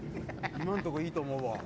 今んとこいいと思う